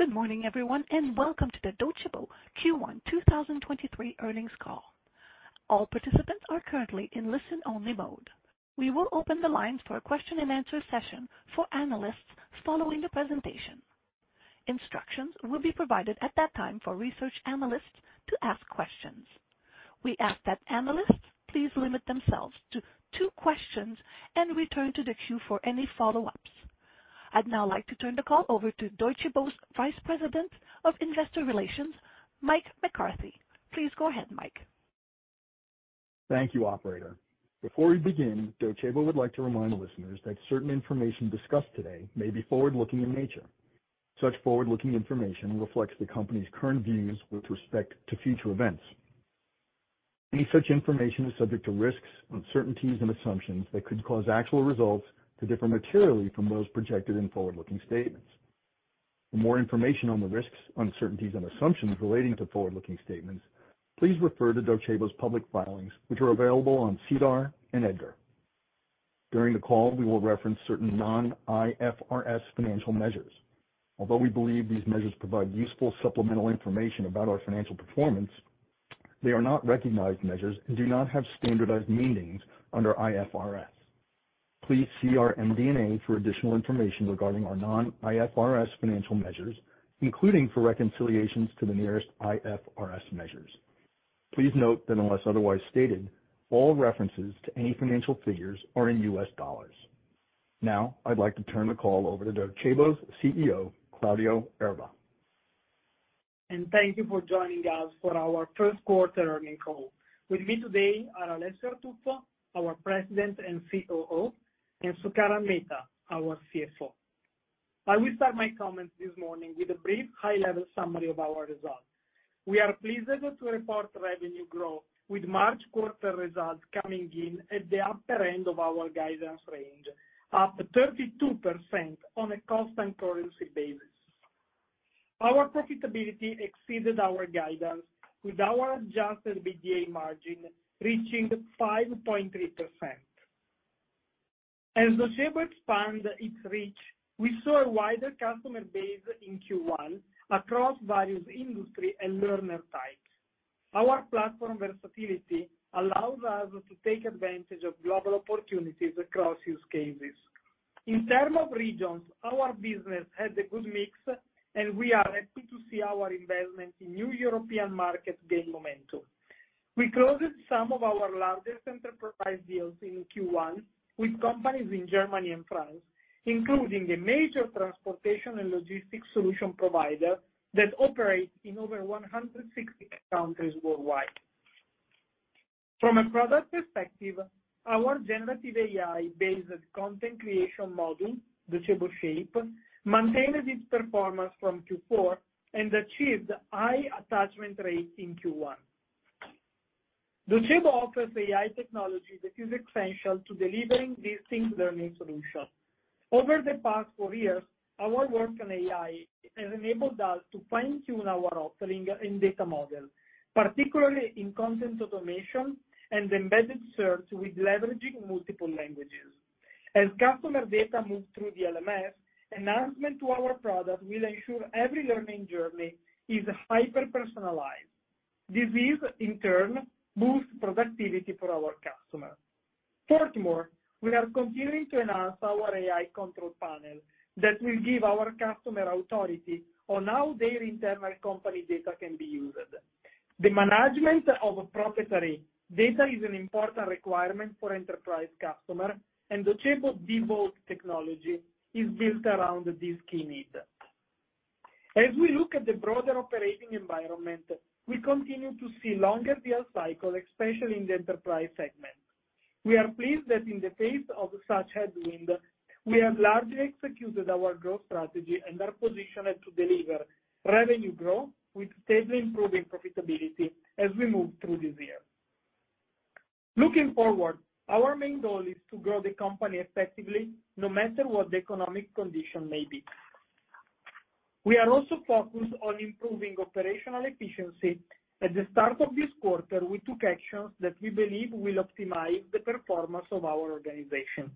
Good morning everyone, welcome to the Docebo Q1 2023 earnings call. All participants are currently in listen-only mode. We will open the lines for a question-and-answer session for analysts following the presentation. Instructions will be provided at that time for research analysts to ask questions. We ask that analysts please limit themselves to two questions and return to the queue for any follow-ups. I'd now like to turn the call over to Docebo's Vice President of Investor Relations, Mike McCarthy. Please go ahead, Mike. Thank you, operator. Before we begin, Docebo would like to remind listeners that certain information discussed today may be forward-looking in nature. Such forward-looking information reflects the company's current views with respect to future events. Any such information is subject to risks, uncertainties, and assumptions that could cause actual results to differ materially from those projected in forward-looking statements. For more information on the risks, uncertainties, and assumptions relating to forward-looking statements, please refer to Docebo's public filings, which are available on SEDAR and EDGAR. During the call, we will reference certain non-IFRS financial measures. Although we believe these measures provide useful supplemental information about our financial performance, they are not recognized measures and do not have standardized meanings under IFRS. Please see our MD&A for additional information regarding our non-IFRS financial measures, including for reconciliations to the nearest IFRS measures. Please note that unless otherwise stated, all references to any financial figures are in U.S. dollars. Now, I'd like to turn the call over to Docebo's CEO, Claudio Erba. Thank you for joining us for our first quarter earnings call. With me today are Alessio Artuffo, our President and COO, and Sukaran Mehta, our CFO. I will start my comments this morning with a brief high-level summary of our results. We are pleased to report revenue growth with March quarter results coming in at the upper end of our guidance range, up 32% on a constant currency basis. Our profitability exceeded our guidance with our Adjusted EBITDA margin reaching 5.3%. As Docebo expands its reach, we saw a wider customer base in Q1 across various industry and learner types. Our platform versatility allows us to take advantage of global opportunities across use cases. In terms of regions, our business has a good mix, and we are happy to see our investment in new European markets gain momentum. We closed some of our largest enterprise deals in Q1 with companies in Germany and France, including a major transportation and logistics solution provider that operates in over 160 countries worldwide. From a product perspective, our generative AI-based content creation model, Docebo Shape, maintained its performance from Q4 and achieved high attachment rate in Q1. Docebo offers AI technology that is essential to delivering these things learning solution. Over the past four years, our work on AI has enabled us to fine-tune our offering and data model, particularly in content automation and embedded search with leveraging multiple languages. As customer data moves through the LMS, enhancement to our product will ensure every learning journey is hyper-personalized. This is, in turn, boosts productivity for our customer. Furthermore, we are continuing to enhance our AI control panel that will give our customer authority on how their internal company data can be used. The management of proprietary data is an important requirement for enterprise customer. Docebo devote technology is built around this key need. As we look at the broader operating environment, we continue to see longer deal cycle, especially in the enterprise segment. We are pleased that in the face of such headwinds, we have largely executed our growth strategy and are positioned to deliver revenue growth with steadily improving profitability as we move through this year. Looking forward, our main goal is to grow the company effectively no matter what the economic condition may be. We are also focused on improving operational efficiency. At the start of this quarter, we took actions that we believe will optimize the performance of our organization.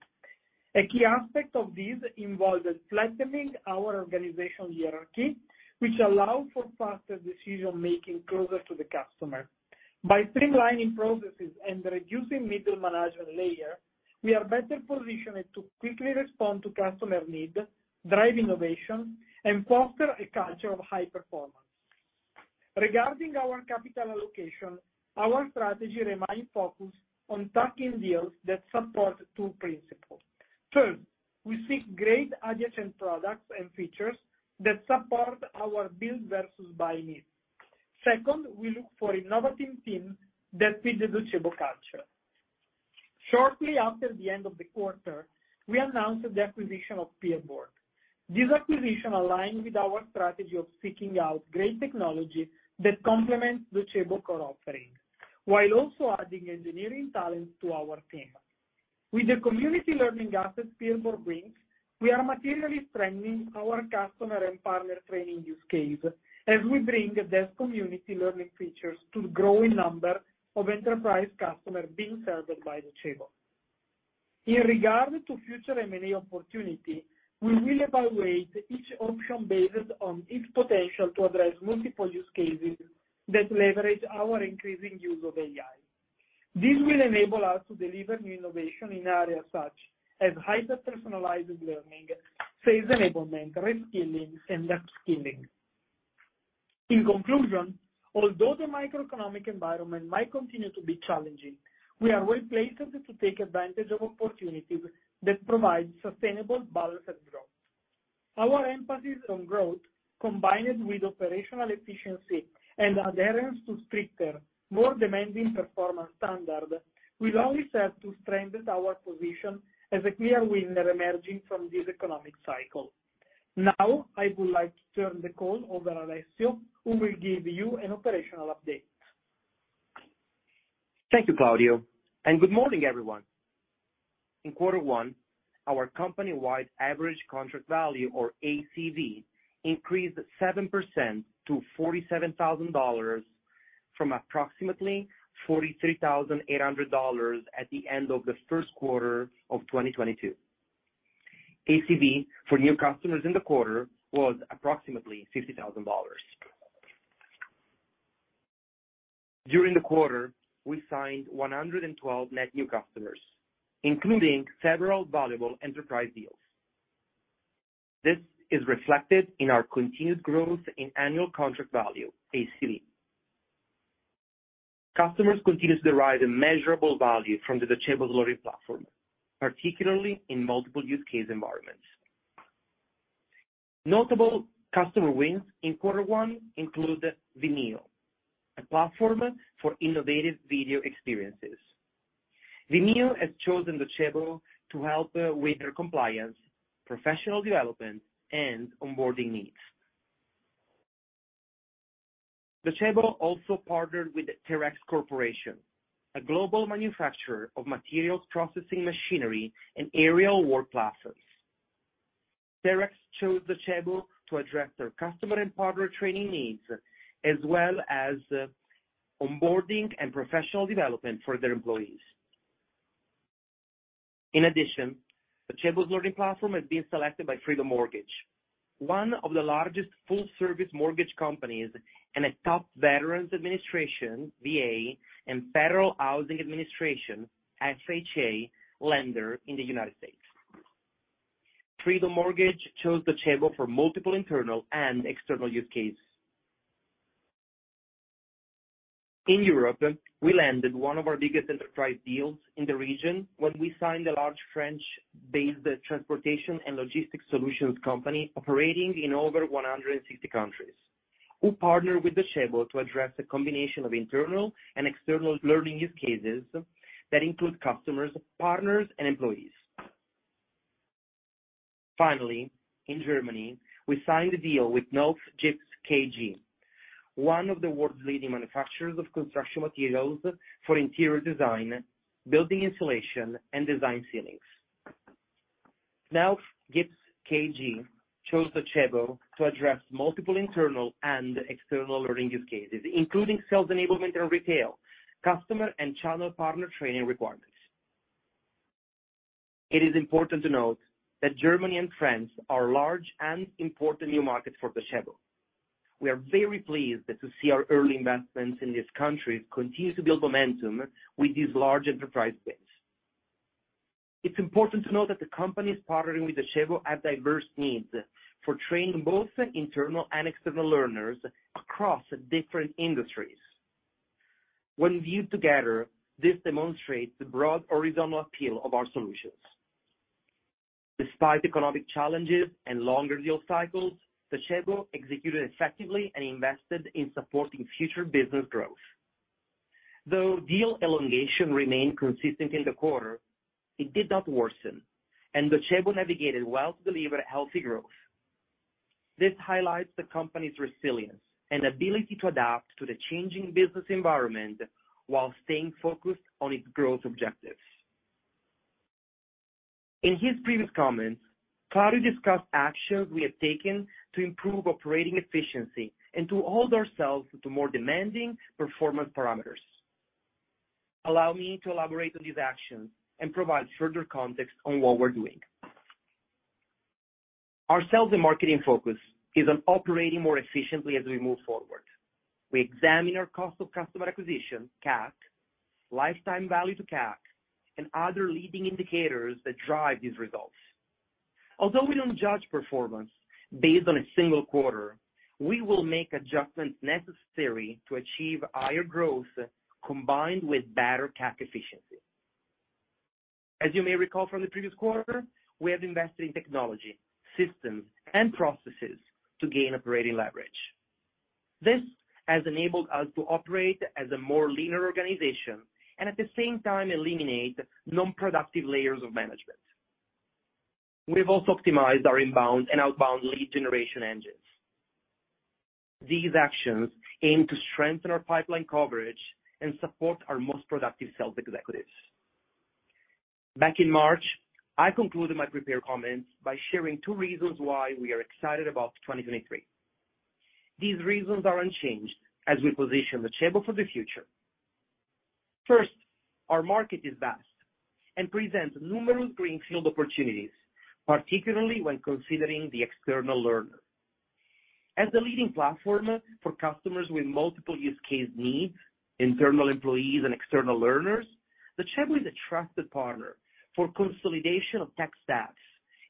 A key aspect of this involved flattening our organization hierarchy, which allow for faster decision-making closer to the customer. By streamlining processes and reducing middle management layer, we are better positioned to quickly respond to customer need, drive innovation, and foster a culture of high performance. Regarding our capital allocation, our strategy remains focused on tuck-in deals that support two principles. First, we seek great adjacent products and features that support our build versus buy need. Second, we look for innovative teams that fit the Docebo culture. Shortly after the end of the quarter, we announced the acquisition of PeerBoard. This acquisition aligned with our strategy of seeking out great technology that complements Docebo core offering, while also adding engineering talent to our team. With the community learning assets PeerBoard brings, we are materially strengthening our customer and partner training use case as we bring the best community learning features to growing number of enterprise customers being served by Docebo. In regard to future M&A opportunity, we will evaluate each option based on its potential to address multiple use cases that leverage our increasing use of AI. This will enable us to deliver new innovation in areas such as hyper-personalized learning, sales enablement, reskilling, and upskilling. In conclusion, although the microeconomic environment might continue to be challenging, we are well-placed to take advantage of opportunities that provide sustainable balanced growth. Our emphasis on growth, combined with operational efficiency and adherence to stricter, more demanding performance standard will allow us to strengthen our position as a clear winner emerging from this economic cycle. I would like to turn the call over to Alessio, who will give you an operational update. Thank you, Claudio, and good morning, everyone. In quarter one, our company-wide average contract value, or ACV, increased 7% to $47,000 from approximately $43,800 at the end of the first quarter of 2022. ACV for new customers in the quarter was approximately $50,000. During the quarter, we signed 112 net new customers, including several valuable enterprise deals. This is reflected in our continued growth in annual contract value, ACV. Customers continue to derive a measurable value from the Docebo learning platform, particularly in multiple use case environments. Notable customer wins in quarter one include Vimeo, a platform for innovative video experiences. Vimeo has chosen Docebo to help with their compliance, professional development, and onboarding needs. Docebo also partnered with Terex Corporation, a global manufacturer of materials processing machinery and aerial work platforms. Terex chose Docebo to address their customer and partner training needs, as well as, onboarding and professional development for their employees. In addition, Docebo's learning platform has been selected by Freedom Mortgage, one of the largest full-service mortgage companies and a top Veterans Administration, VA, and Federal Housing Administration, FHA, lender in the United States. Freedom Mortgage chose Docebo for multiple internal and external use cases. In Europe, we landed one of our biggest enterprise deals in the region when we signed a large French-based transportation and logistics solutions company operating in over 160 countries, who partnered with Docebo to address a combination of internal and external learning use cases that include customers, partners, and employees. Finally, in Germany, we signed a deal with Knauf Gips KG, one of the world's leading manufacturers of construction materials for interior design, building insulation, and design ceilings. Knauf Gips KG chose Docebo to address multiple internal and external learning use cases, including sales enablement and retail, customer and channel partner training requirements. It is important to note that Germany and France are large and important new markets for Docebo. We are very pleased to see our early investments in these countries continue to build momentum with these large enterprise wins. It's important to note that the companies partnering with Docebo have diverse needs for training both internal and external learners across different industries. When viewed together, this demonstrates the broad horizontal appeal of our solutions. Despite economic challenges and longer deal cycles, Docebo executed effectively and invested in supporting future business growth. Though deal elongation remained consistent in the quarter, it did not worsen, and Docebo navigated well to deliver healthy growth. This highlights the company's resilience and ability to adapt to the changing business environment while staying focused on its growth objectives. In his previous comments, Claudio discussed actions we have taken to improve operating efficiency and to hold ourselves to more demanding performance parameters. Allow me to elaborate on these actions and provide further context on what we're doing. Our sales and marketing focus is on operating more efficiently as we move forward. We examine our cost of customer acquisition, CAC, lifetime value to CAC, and other leading indicators that drive these results. Although we don't judge performance based on a single quarter, we will make adjustments necessary to achieve higher growth combined with better CAC efficiency. As you may recall from the previous quarter, we have invested in technology, systems, and processes to gain operating leverage. This has enabled us to operate as a more leaner organization and at the same time eliminate non-productive layers of management. We've also optimized our inbound and outbound lead generation engines. These actions aim to strengthen our pipeline coverage and support our most productive sales executives. Back in March, I concluded my prepared comments by sharing two reasons why we are excited about 2023. These reasons are unchanged as we position the table for the future. First, our market is vast and presents numerous greenfield opportunities, particularly when considering the external learner. As the leading platform for customers with multiple use case needs, internal employees and external learners, Docebo is a trusted partner for consolidation of tech stacks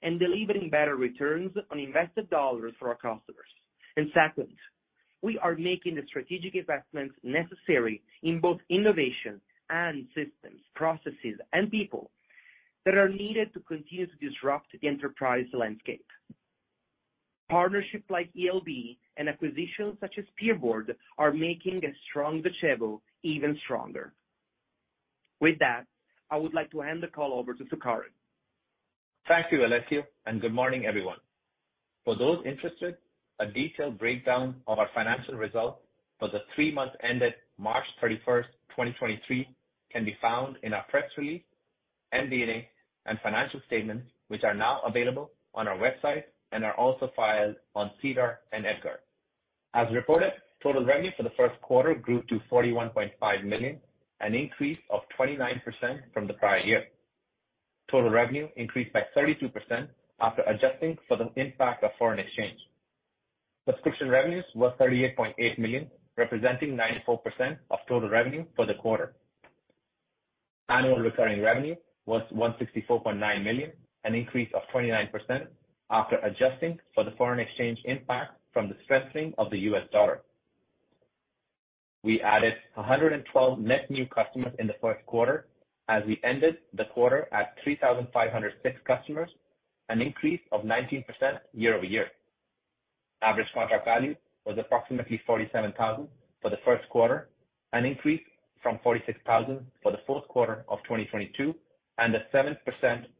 and delivering better returns on invested dollars for our customers. Second, we are making the strategic investments necessary in both innovation and systems, processes, and people that are needed to continue to disrupt the enterprise landscape. Partnership like ELB and acquisitions such as PeerBoard are making a strong Docebo even stronger. With that, I would like to hand the call over to Sukaran. Thank you, Alessio, and good morning, everyone. For those interested, a detailed breakdown of our financial results for the three months ended March 31st, 2023 can be found in our press release, MD&A, and financial statements, which are now available on our website and are also filed on SEDAR and EDGAR. As reported, total revenue for the first quarter grew to $41.5 million, an increase of 29% from the prior year. Total revenue increased by 32% after adjusting for the impact of foreign exchange. Subscription revenues was $38.8 million, representing 94% of total revenue for the quarter. Annual recurring revenue was $164.9 million, an increase of 29% after adjusting for the foreign exchange impact from the strengthening of the U.S. dollar. We added 112 net new customers in the first quarter as we ended the quarter at 3,506 customers, an increase of 19% year-over-year. Average contract value was approximately $47,000 for the first quarter, an increase from $46,000 for the fourth quarter of 2022 and a 7%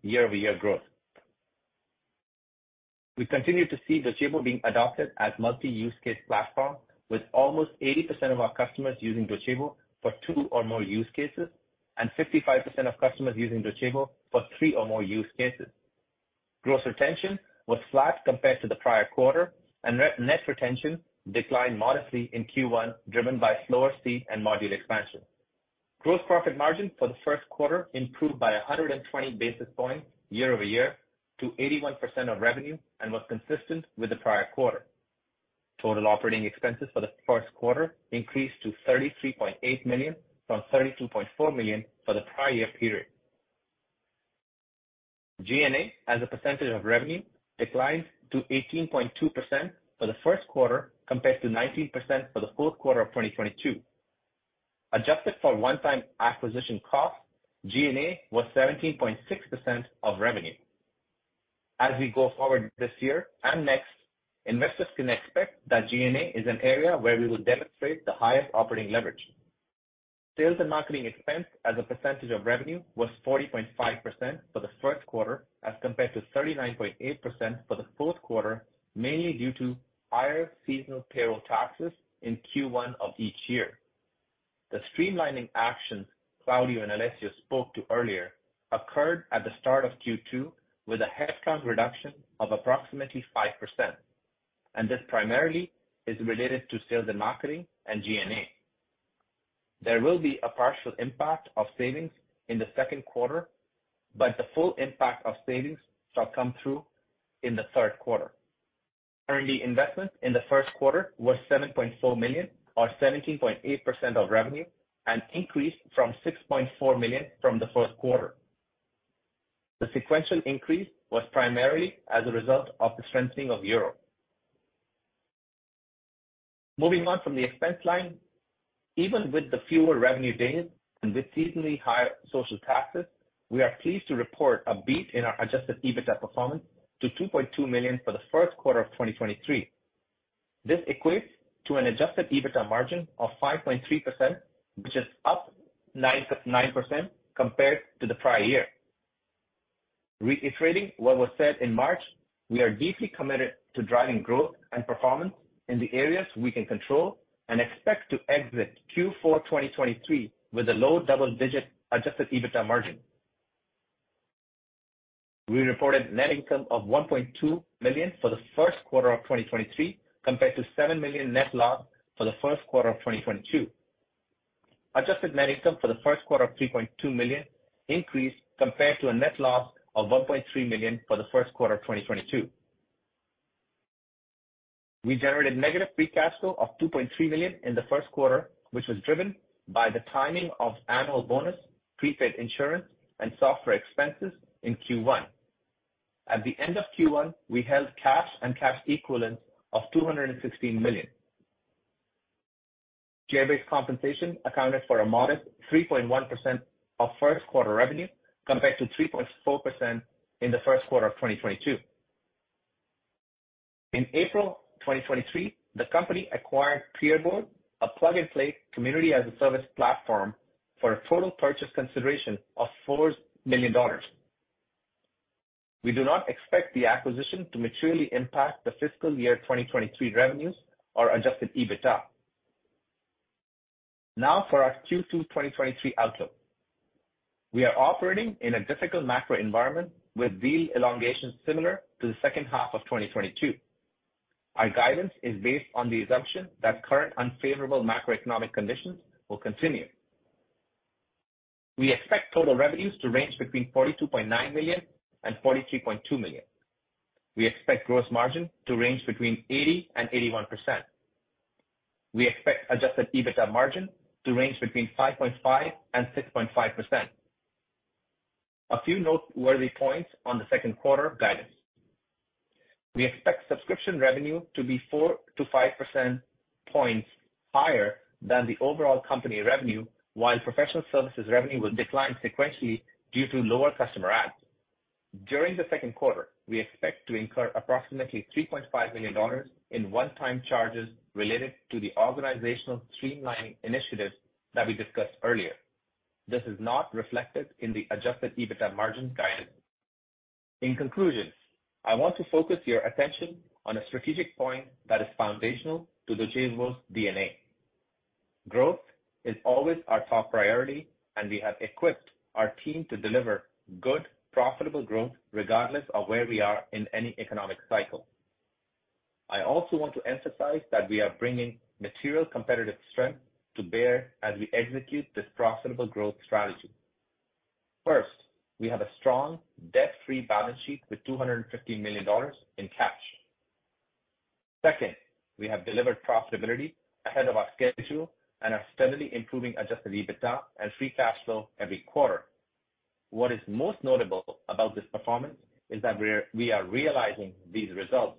year-over-year growth. We continue to see Docebo being adopted as multi-use case platform with almost 80% of our customers using Docebo for two or more use cases, and 55% of customers using Docebo for three or more use cases. Gross retention was flat compared to the prior quarter, net retention declined modestly in Q1, driven by slower seat and module expansion. Gross profit margin for the first quarter improved by 120 basis points year-over-year to 81% of revenue and was consistent with the prior quarter. Total operating expenses for the first quarter increased to $33.8 million from $32.4 million for the prior year period. G&A, as a percentage of revenue, declined to 18.2% for the first quarter compared to 19% for the fourth quarter of 2022. Adjusted for one-time acquisition costs, G&A was 17.6% of revenue. As we go forward this year and next, investors can expect that G&A is an area where we will demonstrate the highest operating leverage. Sales and marketing expense as a percentage of revenue was 40.5% for the first quarter as compared to 39.8% for the fourth quarter, mainly due to higher seasonal payroll taxes in Q1 of each year. The streamlining actions Claudio and Alessio spoke to earlier occurred at the start of Q2 with a headcount reduction of approximately 5%, this primarily is related to sales and marketing and G&A. There will be a partial impact of savings in the second quarter, the full impact of savings shall come through in the third quarter. R&D investment in the first quarter was $7.4 million or 17.8% of revenue, an increase from $6.4 million from the first quarter. The sequential increase was primarily as a result of the strengthening of euro. Moving on from the expense line. Even with the fewer revenue days and with seasonally higher social taxes, we are pleased to report a beat in our Adjusted EBITDA performance to $2.2 million for the first quarter of 2023. This equates to an Adjusted EBITDA margin of 5.3%, which is up 9% compared to the prior year. Reiterating what was said in March, we are deeply committed to driving growth and performance in the areas we can control and expect to exit Q4 2023 with a low double-digit Adjusted EBITDA margin. We reported net income of $1.2 million for the first quarter of 2023 compared to $7 million net loss for the first quarter of 2022. Adjusted Net Income for the first quarter of $3.2 million increased compared to a net loss of $1.3 million for the first quarter of 2022. We generated negative free cash flow of $2.3 million in the first quarter, which was driven by the timing of annual bonus, prepaid insurance, and software expenses in Q1. At the end of Q1, we held cash and cash equivalents of $216 million. Share-based compensation accounted for a modest 3.1% of first quarter revenue, compared to 3.4% in the first quarter of 2022. In April 2023, the company acquired PeerBoard, a plug-and-play community-as-a-service platform, for a total purchase consideration of $4 million. We do not expect the acquisition to materially impact the fiscal year 2023 revenues or Adjusted EBITDA. Now for our Q2 2023 outlook. We are operating in a difficult macro environment with deal elongation similar to the second half of 2022. Our guidance is based on the assumption that current unfavorable macroeconomic conditions will continue. We expect total revenues to range between $42.9 million-$43.2 million. We expect gross margin to range between 80%-81%. We expect Adjusted EBITDA margin to range between 5.5%-6.5%. A few noteworthy points on the second quarter guidance. We expect subscription revenue to be 4-5 percentage points higher than the overall company revenue, while professional services revenue will decline sequentially due to lower customer adds. During the second quarter, we expect to incur approximately $3.5 million in one-time charges related to the organizational streamlining initiatives that we discussed earlier. This is not reflected in the Adjusted EBITDA margin guidance. In conclusion, I want to focus your attention on a strategic point that is foundational to Docebo's DNA. Growth is always our top priority, and we have equipped our team to deliver good, profitable growth regardless of where we are in any economic cycle. I also want to emphasize that we are bringing material competitive strength to bear as we execute this profitable growth strategy. First, we have a strong debt-free balance sheet with $250 million in cash. Second, we have delivered profitability ahead of our schedule and are steadily improving Adjusted EBITDA and free cash flow every quarter. What is most notable about this performance is that we are realizing these results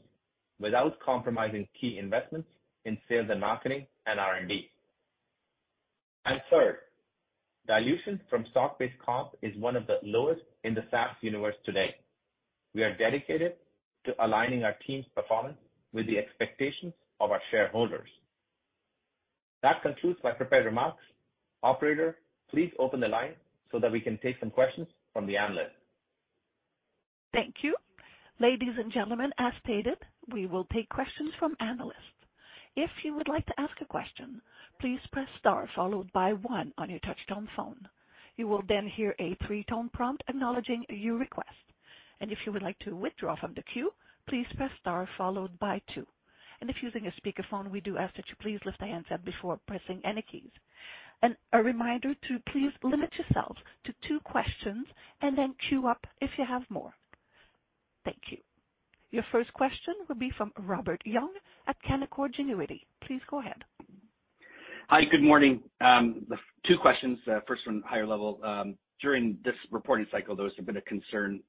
without compromising key investments in sales and marketing and R&D. Third, dilution from stock-based comp is one of the lowest in the SaaS universe today. We are dedicated to aligning our team's performance with the expectations of our shareholders. That concludes my prepared remarks. Operator, please open the line so that we can take some questions from the analyst. Thank you. Ladies and gentlemen, as stated, we will take questions from analysts. If you would like to ask a question, please press star followed by 1 on your touchtone phone. You will then hear a three-tone prompt acknowledging your request. If you would like to withdraw from the queue, please press star followed by two. If using a speakerphone, we do ask that you please lift the handset before pressing any keys. A reminder to please limit yourselves to two questions and then queue up if you have more. Thank you. Your first question will be from Robert Young at Canaccord Genuity. Please go ahead. Hi, good morning. Two questions. First one higher level. During this reporting cycle, there has been a concern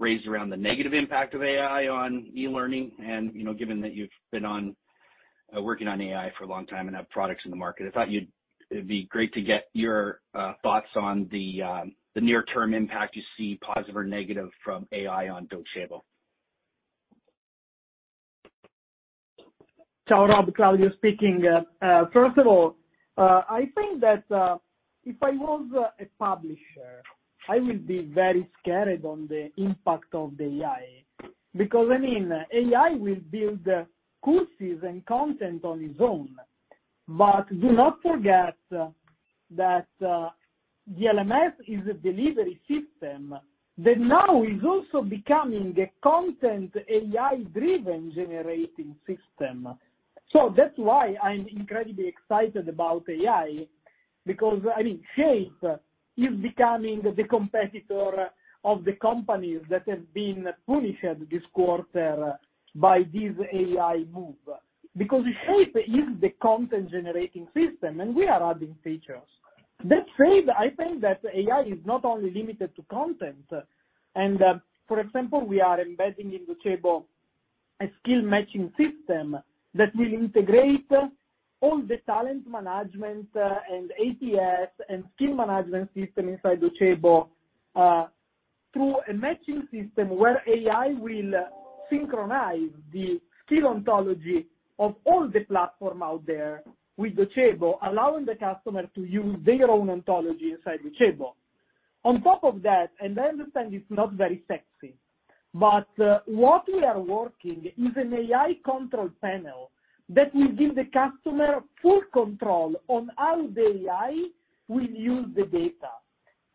raised around the negative impact of AI on e-learning, you know, given that you've been working on AI for a long time and have products in the market, I thought it'd be great to get your thoughts on the near term impact you see, positive or negative from AI on Docebo. Sure, Robert, Claudio speaking. First of all, I think that, if I was a publisher, I will be very scared on the impact of the AI because, I mean, AI will build courses and content on its own. Do not forget that, the LMS is a delivery system that now is also becoming a content AI-driven generating system. That's why I'm incredibly excited about AI, because, I mean, Shape is becoming the competitor of the companies that have been punished this quarter by this AI move. Shape is the content generating system, and we are adding features. That said, I think that AI is not only limited to content, for example, we are embedding in Docebo a skill matching system that will integrate all the talent management and ATS and skill management system inside Docebo, through a matching system where AI will synchronize the skill ontology of all the platform out there with Docebo, allowing the customer to use their own ontology inside Docebo. On top of that, I understand it's not very sexy, but what we are working is an AI control panel that will give the customer full control on how the AI will use the data.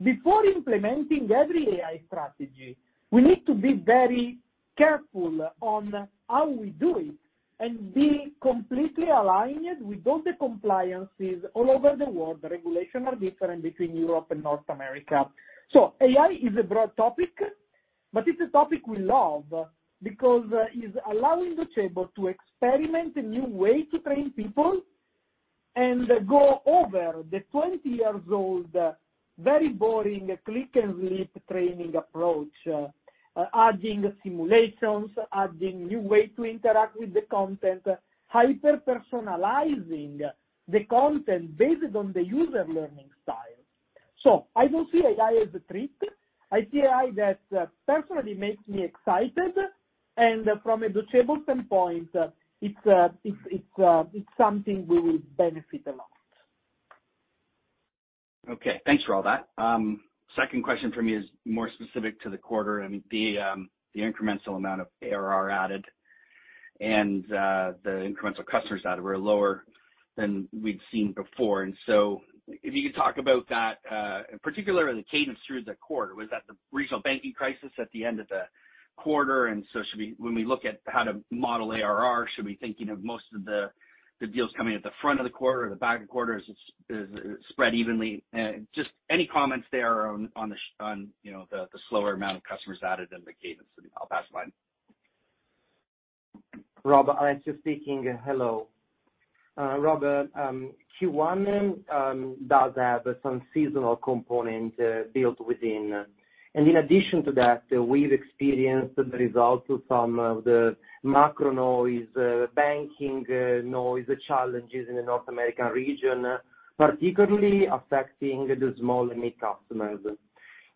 Before implementing every AI strategy, we need to be very careful on how we do it and be completely aligned with all the compliances all over the world. The regulation are different between Europe and North America. AI is a broad topic, but it's a topic we love because it's allowing Docebo to experiment a new way to train people and go over the 20-years-old, very boring click-and-leap training approach, adding simulations, adding new way to interact with the content, hyper personalizing the content based on the user learning style. I don't see AI as a threat. I see AI that personally makes me excited and from a Docebo standpoint, it's, it's something we will benefit a lot. Okay, thanks for all that. Second question for me is more specific to the quarter and the incremental amount of ARR added and the incremental customers that were lower than we've seen before. If you could talk about that, particularly the cadence through the quarter. Was that the regional banking crisis at the end of the quarter? When we look at how to model ARR, should we be thinking of most of the deals coming at the front of the quarter or the back of the quarter, is spread evenly? Just any comments there on, you know, the slower amount of customers added and the cadence. I'll pass the line. Rob, Alessio speaking. Hello. Rob, Q1 does have some seasonal component built within. In addition to that, we've experienced the results of some of the macro noise, banking noise challenges in the North American region, particularly affecting the small and mid customers.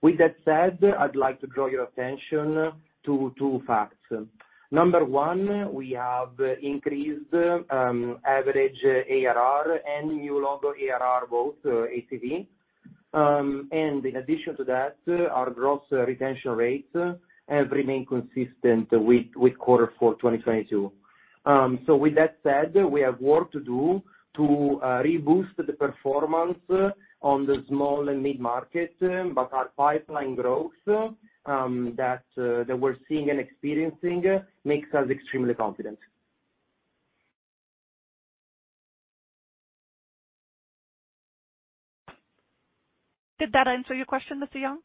With that said, I'd like to draw your attention to two facts. Number 1, we have increased average ARR and new logo ARR, both ACV. In addition to that, our gross retention rates have remained consistent with quarter 4 2022. With that said, we have work to do to reboost the performance on the small and mid-market, but our pipeline growth that we're seeing and experiencing makes us extremely confident. Did that answer your question, Mr. Young?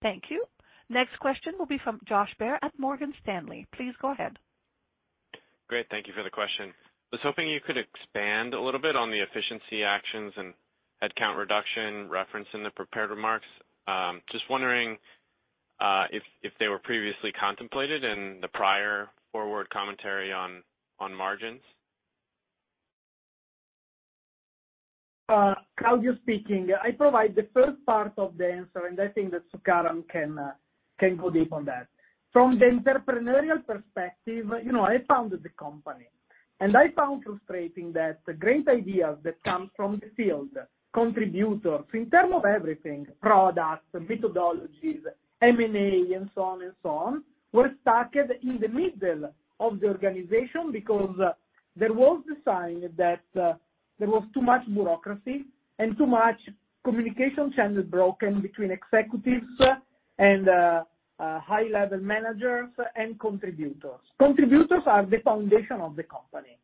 Thank you. Next question will be from Josh Baer at Morgan Stanley. Please go ahead. Great. Thank you for the question. I was hoping you could expand a little bit on the efficiency actions and headcount reduction referenced in the prepared remarks. Just wondering if they were previously contemplated in the prior forward commentary on margins. Claudio speaking. I provide the first part of the answer, and I think that Sukaran can go deep on that. From the entrepreneurial perspective, you know, I founded the company, and I found frustrating that great ideas that come from the field contributors in terms of everything, products, methodologies, M&A, and so on and so on, were stuck in the middle of the organization because there was the sign that there was too much bureaucracy and too much communication channels broken between executives and high-level managers and contributors. Contributors are the foundation of the company.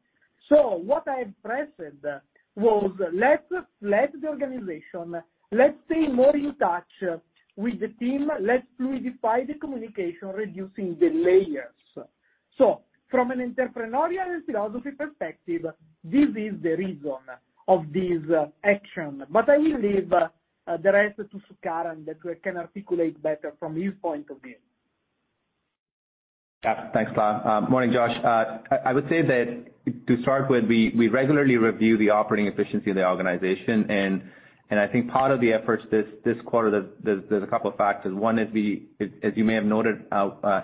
What I impressed was let's let the organization, let's stay more in touch with the team. Let's fluidify the communication, reducing the layers. From an entrepreneurial philosophy perspective, this is the reason of this action. I will leave the rest to Sukaran, that can articulate better from his point of view. Yeah. Thanks, Claud. Morning, Josh. I would say that to start with, we regularly review the operating efficiency of the organization, and I think part of the efforts this quarter, there's a couple of factors. One is as you may have noted,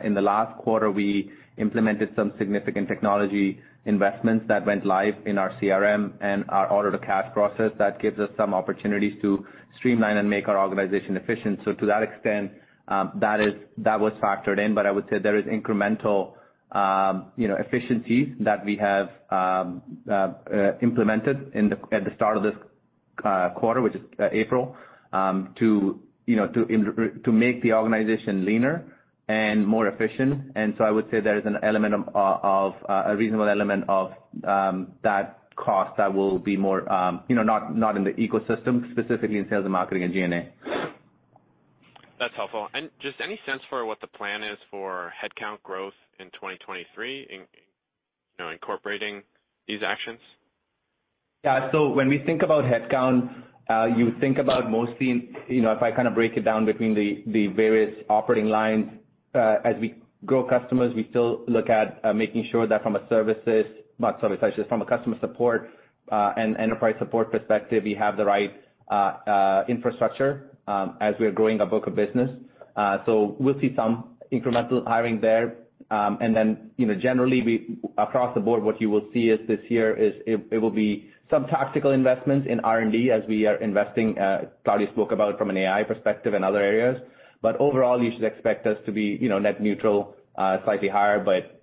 in the last quarter, we implemented some significant technology investments that went live in our CRM and our order to cash process that gives us some opportunities to streamline and make our organization efficient. To that extent, that was factored in. I would say there is incremental, you know, efficiencies that we have implemented at the start of this quarter, which is April, to, you know, to make the organization leaner and more efficient. I would say there is an element of a reasonable element of that cost that will be more, you know, not in the ecosystem, specifically in sales and marketing and G&A. That's helpful. Just any sense for what the plan is for headcount growth in 2023 in, you know, incorporating these actions? When we think about headcount, you think about mostly, you know, if I kinda break it down between the various operating lines, as we grow customers, we still look at making sure that from a services-- not services, actually, from a customer support and enterprise support perspective, we have the right infrastructure as we are growing our book of business. We'll see some incremental hiring there. You know, generally across the board, what you will see is this year it will be some tactical investments in R&D as we are investing, Claudio spoke about from an AI perspective and other areas. Overall, you should expect us to be, you know, net neutral, slightly higher, but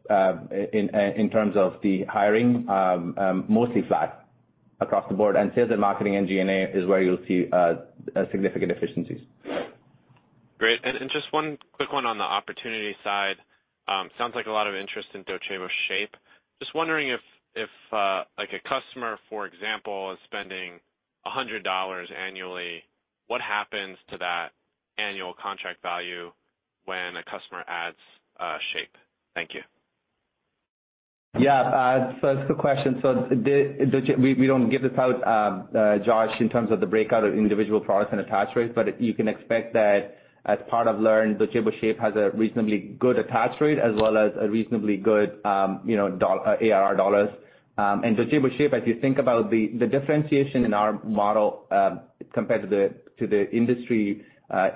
in terms of the hiring, mostly flat across the board. Sales and marketing and G&A is where you'll see significant efficiencies. Great. Just one quick one on the opportunity side. Sounds like a lot of interest in Docebo Shape. Just wondering if, like a customer, for example, is spending $100 annually, what happens to that annual contract value when a customer adds Docebo Shape? Thank you. Yeah. That's a good question. We don't give this out, Josh, in terms of the breakout of individual products and attach rates, but you can expect that as part of Learn, Docebo Shape has a reasonably good attach rate as well as a reasonably good, you know, ARR dollars. Docebo Shape, as you think about the differentiation in our model, compared to the industry,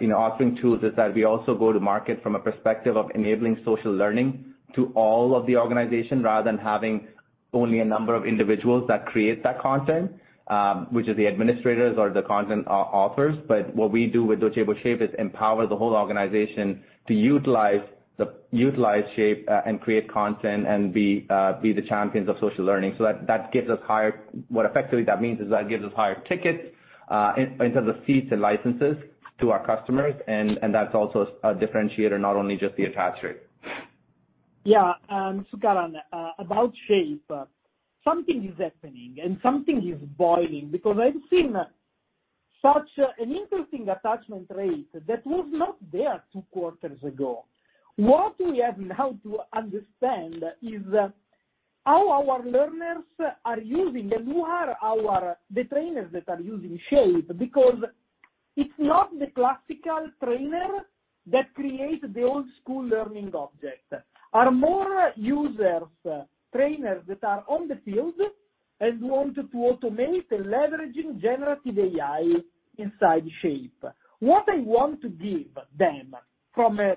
in offering tools is that we also go to market from a perspective of enabling social learning to all of the organization rather than having only a number of individuals that create that content, which is the administrators or the content authors. What we do with Docebo Shape is empower the whole organization to utilize Shape and create content and be the champions of social learning. That gives us higher... What effectively that means is that gives us higher tickets in terms of seats and licenses to our customers, and that's also a differentiator, not only just the attach rate. Yeah, Sukaran, about Shape, something is happening and something is boiling because I've seen such an interesting attachment rate that was not there two quarters ago. What we have now to understand is how our learners are using and who are the trainers that are using Shape because it's not the classical trainer that create the old school learning object. Are more users trainers that are on the field and want to automate leveraging generative AI inside Shape. What I want to give them from a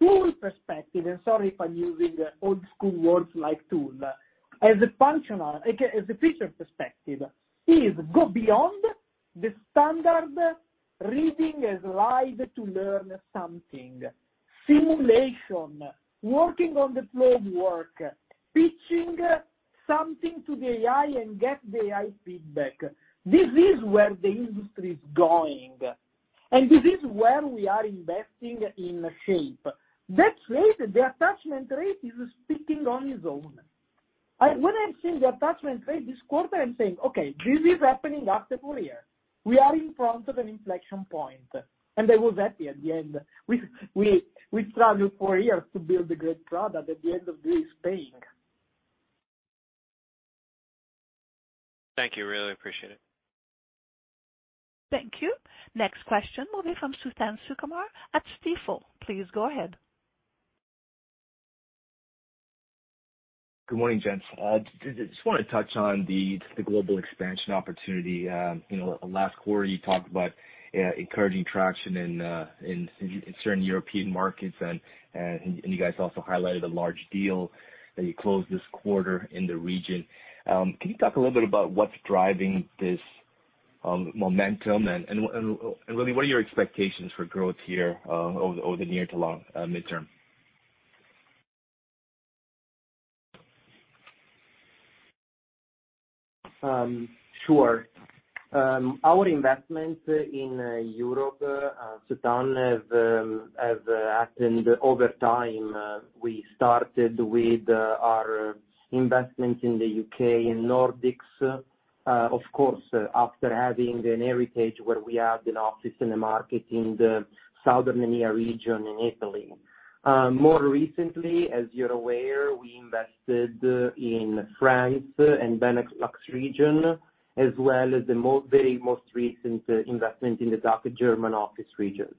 tool perspective, and sorry if I'm using old school words like tool, as a functional, again, as a feature perspective, is go beyond the standard reading a slide to learn something. Simulation, working on the flow of work, pitching something to the AI and get the AI feedback. This is where the industry is going, and this is where we are investing in Shape. That rate, the attachment rate, is speaking on its own. When I'm seeing the attachment rate this quarter, I'm saying, "Okay, this is happening after four years. We are in front of an inflection point." I was happy at the end. We struggled four years to build a great product. At the end of this, paying. Thank you. Really appreciate it. Thank you. Next question will be from Suthan Sukumar at Stifel. Please go ahead. Good morning, gents. Just wanna touch on the global expansion opportunity. You know, last quarter, you talked about encouraging traction in certain European markets, and you guys also highlighted a large deal that you closed this quarter in the region. Can you talk a little bit about what's driving this momentum and really what are your expectations for growth here, over the near to long midterm? Sure. Our investment in Europe, Suthan, have happened over time. We started with our investment in the U.K., in Nordics, of course, after having an heritage where we had an office in the market in the Southern EMEA region in Italy. More recently, as you're aware, we invested in France and Benelux region, as well as the very most recent investment in the DACH German office region.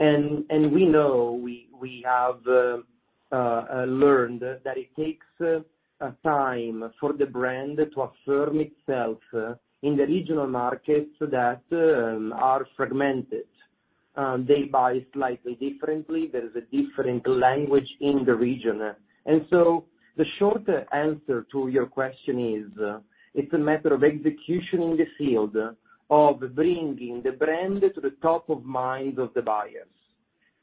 We know, we have learned that it takes a time for the brand to affirm itself in the regional markets that are fragmented. They buy slightly differently. There is a different language in the region. The short answer to your question is it's a matter of execution in the field of bringing the brand to the top of mind of the buyers.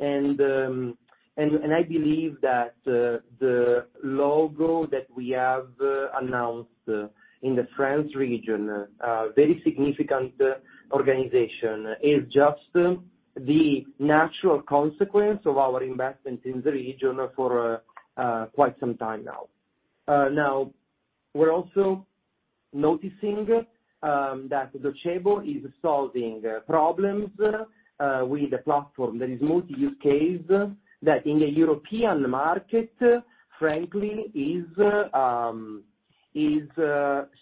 I believe that the logo that we have announced in the France region, a very significant organization, is just the natural consequence of our investment in the region for quite some time now. Now, we're also noticing that Docebo is solving problems with the platform. There is multi-use case that in the European market, frankly, is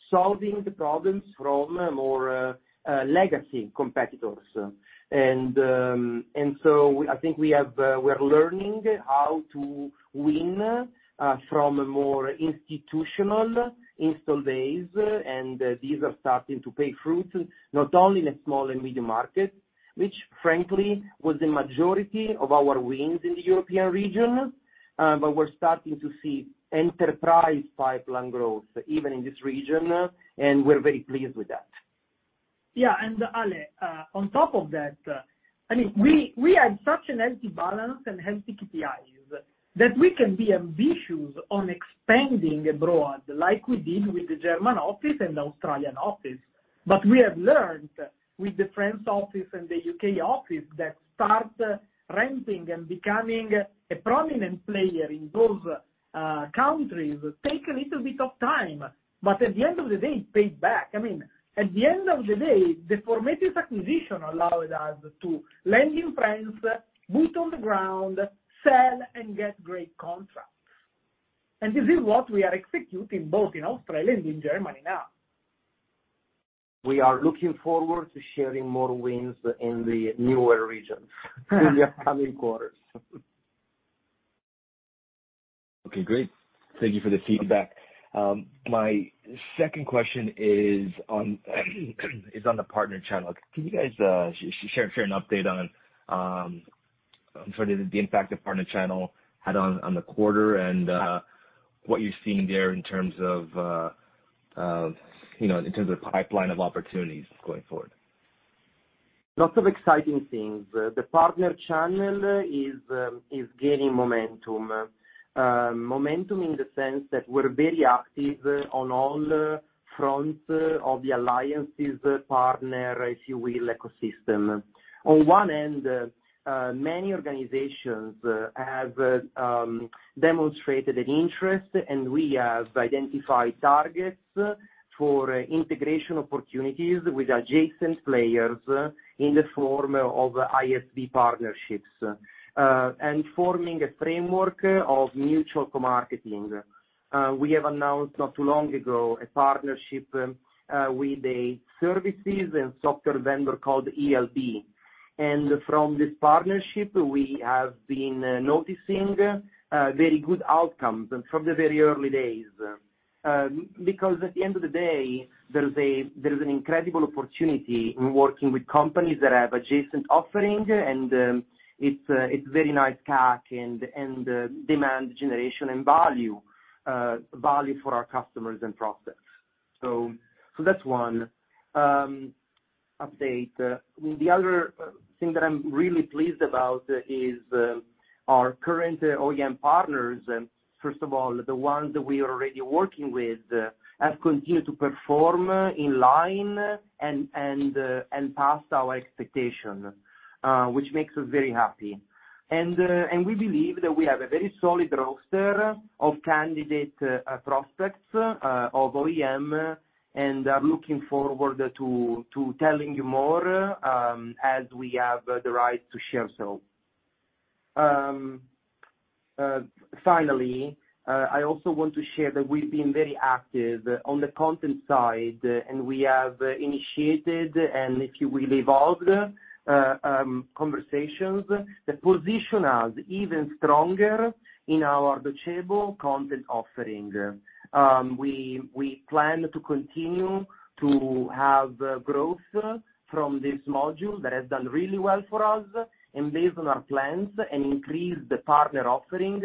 solving the problems from more legacy competitors. So I think we have we're learning how to win from a more institutional install base, and these are starting to pay fruits, not only in a small and medium market, which frankly was the majority of our wins in the European region, but we're starting to see enterprise pipeline growth even in this region, and we're very pleased with that. Yeah. Ale, on top of that, I mean, we have such a healthy balance and healthy KPIs that we can be ambitious on expanding abroad like we did with the German office and the Australian office. We have learned with the French office and the U.K. office that start ramping and becoming a prominent player in those countries take a little bit of time, but at the end of the day, it paid back. I mean, at the end of the day, the forMetris acquisition allowed us to land in France, boot on the ground, sell and get great contracts. This is what we are executing both in Australia and in Germany now. We are looking forward to sharing more wins in the newer regions in the coming quarters. Great. Thank you for the feedback. My second question is on the partner channel. Can you guys share an update on. I'm sorry, the impact the partner channel had on the quarter and what you're seeing there in terms of, you know, in terms of pipeline of opportunities going forward. Lots of exciting things. The partner channel is gaining momentum. Momentum in the sense that we're very active on all fronts of the alliances partner, if you will, ecosystem. On one end, many organizations have demonstrated an interest, and we have identified targets for integration opportunities with adjacent players in the form of ISV partnerships, and forming a framework of mutual co-marketing. We have announced not too long ago a partnership with a services and software vendor called ELB. From this partnership, we have been noticing very good outcomes from the very early days. Because at the end of the day, there's an incredible opportunity in working with companies that have adjacent offerings, and it's a very nice CAC and demand generation and value for our customers and prospects. That's one update. The other thing that I'm really pleased about is our current OEM partners. First of all, the ones we are already working with have continued to perform in line and past our expectation, which makes us very happy. And we believe that we have a very solid roster of candidate prospects of OEM, and are looking forward to telling you more as we have the right to share so. Finally, I also want to share that we've been very active on the content side, and we have initiated and, if you will, evolved conversations that position us even stronger in our Docebo Content offering. We plan to continue to have growth from this module that has done really well for us and based on our plans and increase the partner offering.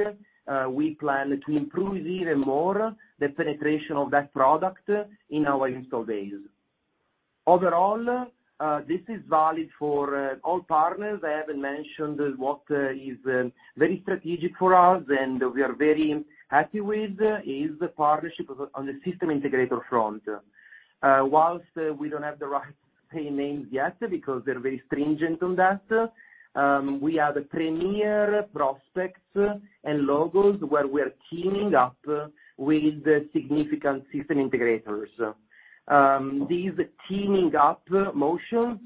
We plan to improve even more the penetration of that product in our install base. Overall, this is valid for all partners. I haven't mentioned what is very strategic for us, and we are very happy with is the partnership on the system integrator front. Whilst we don't have the right to say names yet because they're very stringent on that, we have premier prospects and logos where we are teaming up with significant system integrators. These teaming up motions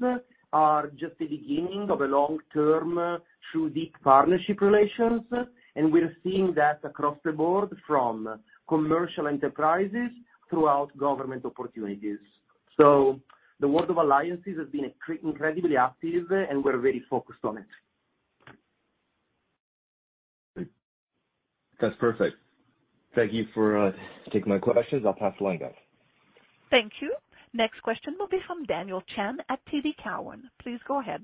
are just the beginning of a long-term, true deep partnership relations, and we're seeing that across the board from commercial enterprises throughout government opportunities. The world of alliances has been incredibly active, and we're very focused on it. Great. That's perfect. Thank you for taking my questions. I'll pass the line, guys. Thank you. Next question will be from Daniel Chan at TD Cowen. Please go ahead.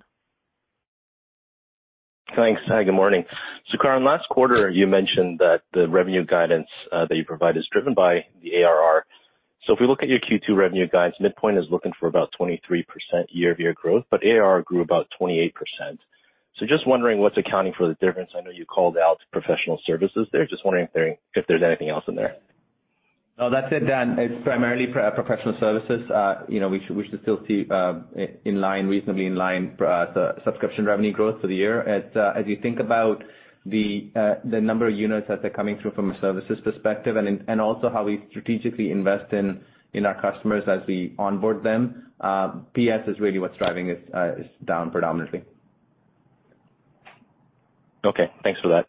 Thanks. Good morning. Sukaran, last quarter you mentioned that the revenue guidance, that you provide is driven by the ARR. If we look at your Q2 revenue guidance, midpoint is looking for about 23% year-over-year growth, but ARR grew about 28%. Just wondering what's accounting for the difference. I know you called out professional services there. Just wondering if there's anything else in there. No, that's it, Dan. It's primarily professional services. you know, we should still see in line, reasonably in line, subscription revenue growth for the year. As you think about the number of units that are coming through from a services perspective and also how we strategically invest in our customers as we onboard them, PS is really what's driving it down predominantly. Okay, thanks for that.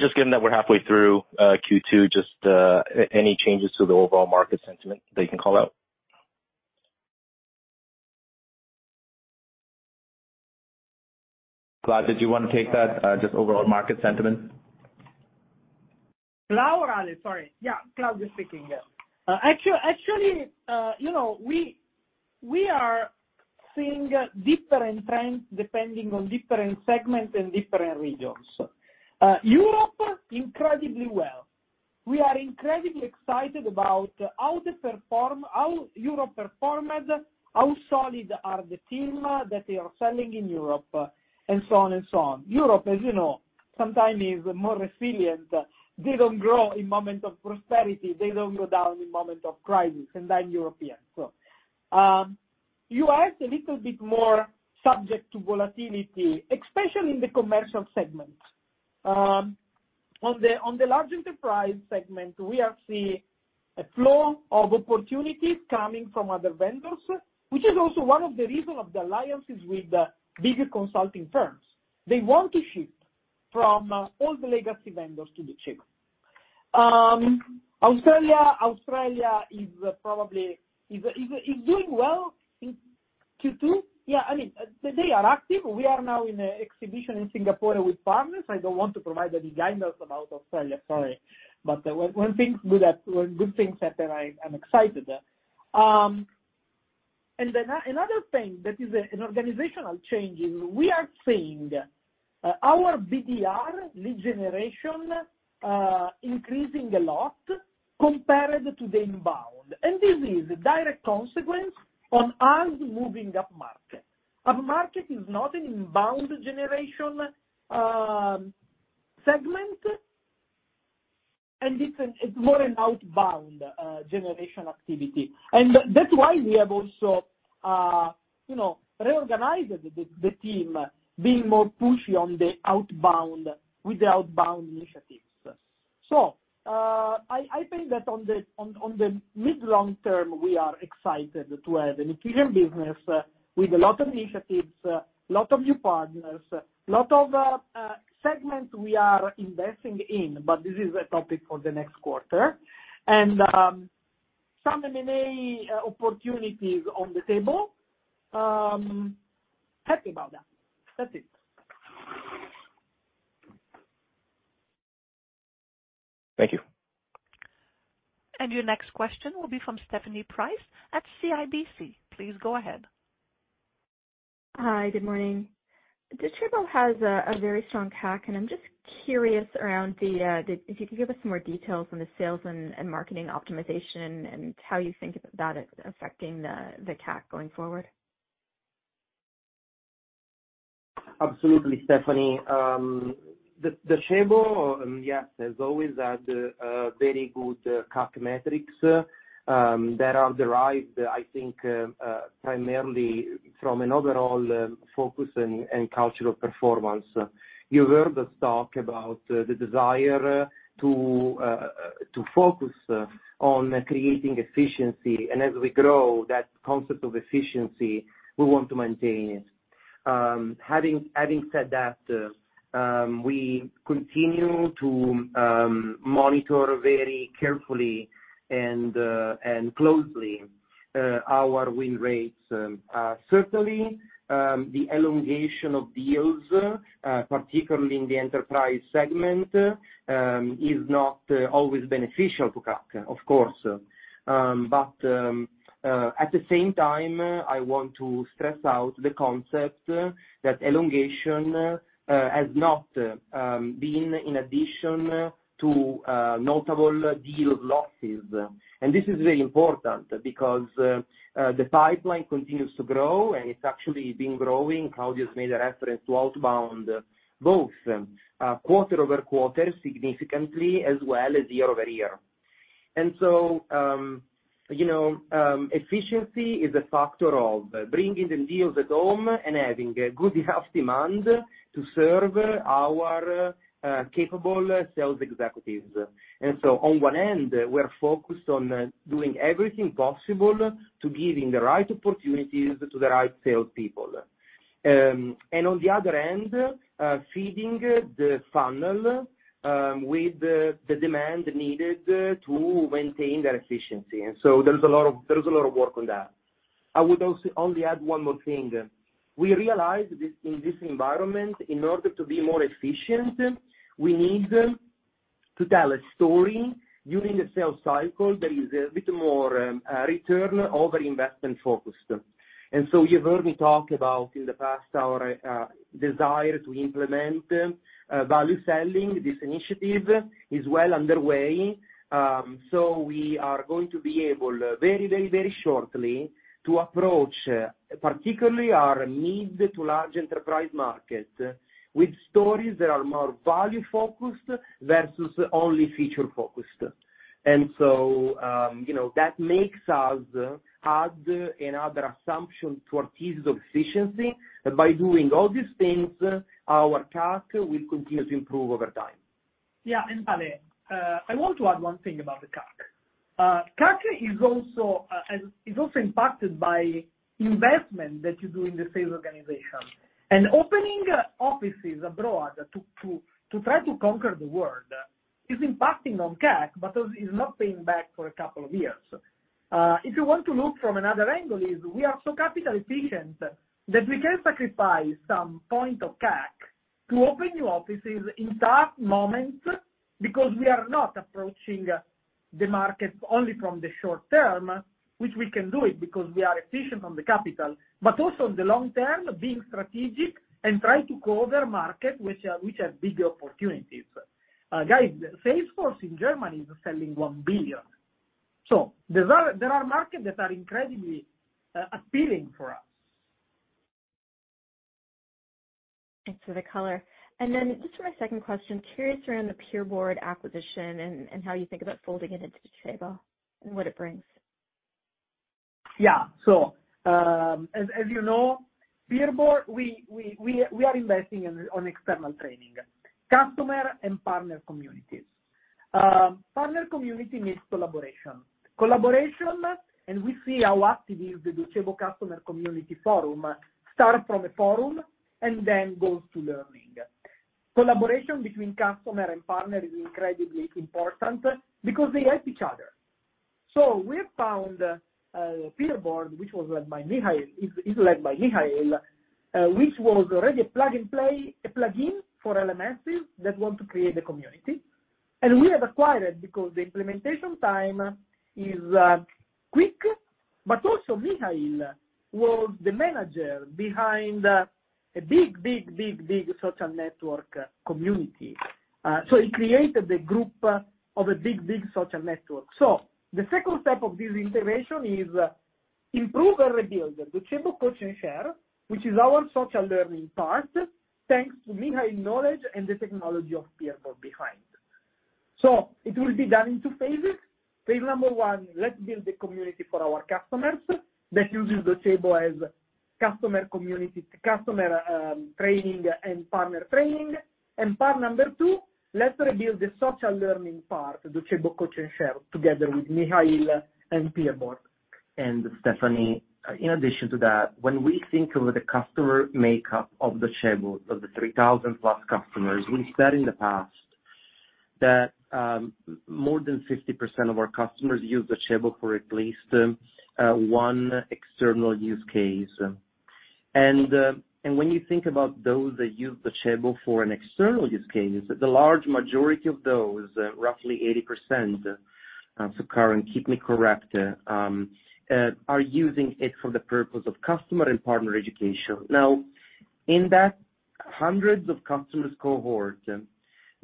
Just given that we're halfway through Q2, just any changes to the overall market sentiment that you can call out? Claud, did you want to take that? Just overall market sentiment. Claude, sorry. Yeah, Claudio speaking. Actually, you know, we are seeing different trends depending on different segments and different regions. Europe, incredibly well. We are incredibly excited about how Europe performed, how solid are the team that they are selling in Europe, and so on and so on. Europe, as you know, sometimes is more resilient. They don't grow in moment of prosperity. They don't go down in moment of crisis. I'm European, so. U.S. a little bit more subject to volatility, especially in the commercial segment. On the large enterprise segment, we have seen a flow of opportunities coming from other vendors, which is also one of the reasons of the alliances with the bigger consulting firms. They want to shift from all the legacy vendors to Docebo. Australia is probably doing well in Q2. Yeah, I mean, they are active. We are now in exhibition in Singapore with partners. I don't want to provide any guidance about Australia. Sorry. When things do that, when good things happen, I'm excited. Another thing that is an organizational change is we are seeing our BDR lead generation increasing a lot compared to the inbound. This is a direct consequence on us moving upmarket. Upmarket is not an inbound generation segment, it's more an outbound generation activity. That's why we have also, you know, reorganized the team being more pushy on the outbound with the outbound initiatives. I think that on the mid-long term, we are excited to have an Italian business with a lot of initiatives, lot of new partners, lot of segments we are investing in, but this is a topic for the next quarter. Some M&A opportunities on the table. Happy about that. That's it. Thank you. Your next question will be from Stephanie Price at CIBC. Please go ahead. Hi, good morning. Docebo has a very strong CAC, and I'm just curious around. If you could give us some more details on the sales and marketing optimization and how you think that is affecting the CAC going forward? Absolutely, Stephanie. Docebo, yes, has always had very good CAC metrics, that are derived, I think, primarily from an overall focus and cultural performance. You heard us talk about the desire to focus on creating efficiency, and as we grow, that concept of efficiency, we want to maintain it. Having said that, we continue to monitor very carefully and closely our win rates. Certainly, the elongation of deals, particularly in the enterprise segment, is not always beneficial for CAC, of course. At the same time, I want to stress out the concept that elongation has not been in addition to notable deal losses. This is very important because the pipeline continues to grow, and it's actually been growing. Claudio's made a reference to outbound, both quarter-over-quarter significantly as well as year-over-year. You know, efficiency is a factor of bringing the deals at home and having a good health demand to serve our capable sales executives. On one end, we're focused on doing everything possible to giving the right opportunities to the right salespeople. On the other end, feeding the funnel with the demand needed to maintain that efficiency. There's a lot of, there's a lot of work on that. I would also only add one more thing. We realize this, in this environment, in order to be more efficient, we need to tell a story during the sales cycle that is a bit more, return on investment focused. You've heard me talk about, in the past, our desire to implement value selling. This initiative is well underway, so we are going to be able very shortly to approach particularly our mid to large enterprise market with stories that are more value-focused versus only feature-focused. You know, that makes us add another assumption to our thesis of efficiency. By doing all these things, our CAC will continue to improve over time. Yeah, Ale, I want to add one thing about the CAC. CAC is also impacted by investment that you do in the sales organization. Opening offices abroad to try to conquer the world is impacting on CAC, but is not paying back for a couple of years. If you want to look from another angle is we are so capital efficient that we can sacrifice some point of CAC to open new offices in tough moments because we are not approaching the market only from the short term, which we can do it because we are efficient on the capital, but also in the long term, being strategic and trying to cover market which have bigger opportunities. Guys, Salesforce in Germany is selling $1 billion. There are markets that are incredibly appealing for us. Thanks for the color. Just for my second question, curious around the PeerBoard acquisition and how you think about folding it into Docebo and what it brings. As you know, PeerBoard, we are investing in, on external training, customer and partner communities. Partner community needs collaboration. We see how active is the Docebo customer community forum, starts from a forum and then goes to learning. Collaboration between customer and partner is incredibly important because they help each other. We found PeerBoard, which was led by Mikhail, is led by Mikhail, which was already a plug-and-play, a plugin for LMSs that want to create a community. We have acquired because the implementation time is quick, but also Mikhail was the manager behind a big social network community. He created the group of a big social network. The second step of this integration is improve our rebuild, Docebo Coach & Share, which is our social learning part, thanks to Mikhail knowledge and the technology of PeerBoard behind. It will be done in two phases. Phase number one, let's build the community for our customers that uses Docebo as customer community, customer training and partner training. Part number two, let's rebuild the social learning part, Docebo Coach & Share, together with Mikhail and PeerBoard. Stephanie, in addition to that, when we think of the customer makeup of Docebo, of the 3,000-plus customers, we've said in the past that more than 50% of our customers use Docebo for at least one external use case. When you think about those that use Docebo for an external use case, the large majority of those, roughly 80%, Sukaran keep me correct, are using it for the purpose of customer and partner education. Now in that hundreds of customers cohort,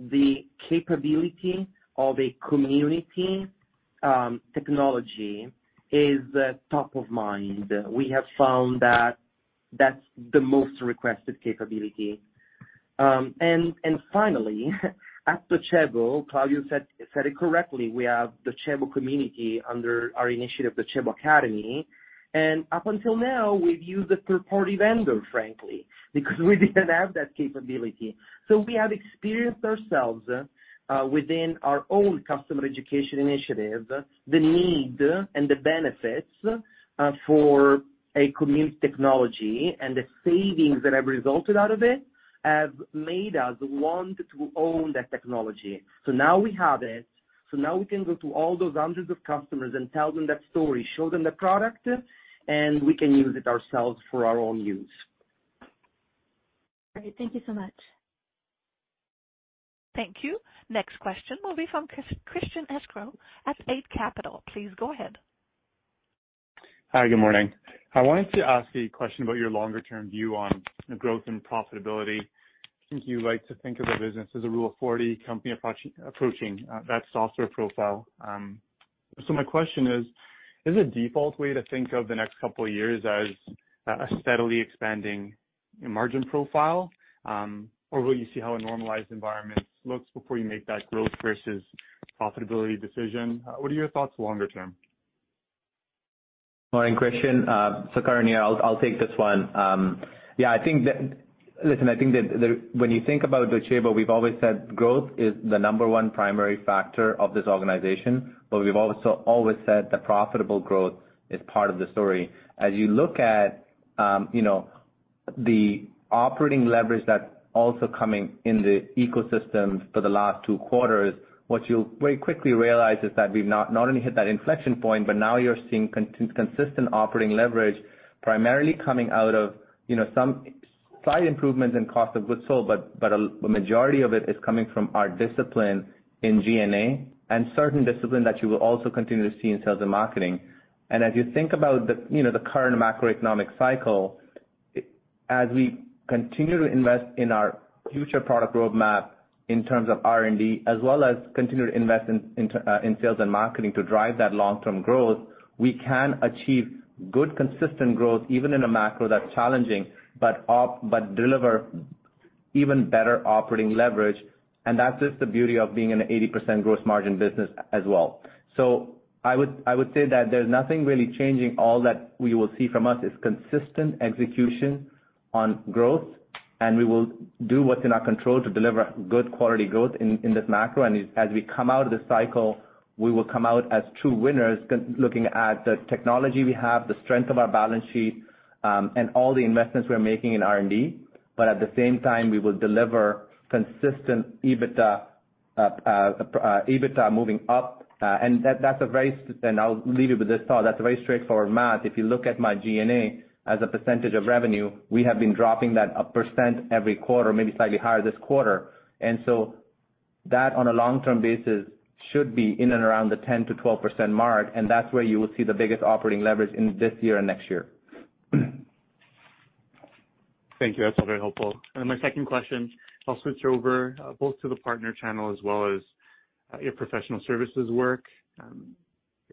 the capability of a community technology is top of mind. We have found that that's the most requested capability. Finally, at Docebo, Claudio said it correctly, we have Docebo community under our initiative, Docebo Academy. Up until now, we've used a third-party vendor, frankly, because we didn't have that capability. We have experienced ourselves, within our own customer education initiative, the need and the benefits for a community technology and the savings that have resulted out of it have made us want to own that technology. Now we have it, now we can go to all those hundreds of customers and tell them that story, show them the product, and we can use it ourselves for our own use. Great. Thank you so much. Thank you. Next question will be from Christian Sgro at Eight Capital. Please go ahead. Hi, good morning. I wanted to ask a question about your longer term view on growth and profitability. I think you like to think of the business as a rule of 40 company approaching that software profile. My question is a default way to think of the next couple of years as a steadily expanding margin profile, or will you see how a normalized environment looks before you make that growth versus profitability decision? What are your thoughts longer term? Morning, Christian. Sukaran here, I'll take this one. Listen, when you think about Docebo, we've always said growth is the number one primary factor of this organization, but we've also always said that profitable growth is part of the story. As you look at, you know, the operating leverage that's also coming in the ecosystems for the last two quarters, what you'll very quickly realize is that we've not only hit that inflection point, but now you're seeing consistent operating leverage primarily coming out of, you know, some slight improvements in cost of goods sold, but a majority of it is coming from our discipline in G&A and certain discipline that you will also continue to see in sales and marketing. As you think about the, you know, the current macroeconomic cycle, as we continue to invest in our future product roadmap in terms of R&D, as well as continue to invest in sales and marketing to drive that long-term growth, we can achieve good, consistent growth, even in a macro that's challenging, but deliver even better operating leverage. That's just the beauty of being an 80% gross margin business as well. I would say that there's nothing really changing. All that we will see from us is consistent execution on growth, and we will do what's in our control to deliver good quality growth in this macro. As we come out of this cycle, we will come out as true winners looking at the technology we have, the strength of our balance sheet, and all the investments we're making in R&D. At the same time, we will deliver consistent EBITDA moving up. I'll leave you with this thought, that's a very straightforward math. If you look at my G&A as a percentage of revenue, we have been dropping that 1% every quarter, maybe slightly higher this quarter. That on a long-term basis should be in and around the 10%-12% mark, and that's where you will see the biggest operating leverage in this year and next year. Thank you. That's all very helpful. My second question, I'll switch over both to the partner channel as well as your professional services work.